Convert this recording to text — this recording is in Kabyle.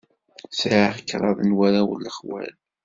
Sɛiɣ kraḍ n warraw n lexwal.